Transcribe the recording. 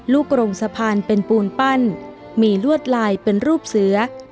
โรงสะพานเป็นปูนปั้นมีลวดลายเป็นรูปเสือ